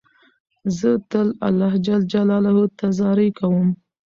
زه تل الله جل جلاله ته زارۍ کوم.